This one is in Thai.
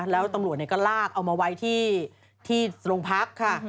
แล้วตำรวจก็ลากเอามาไว้ที่โรงพักค่ะ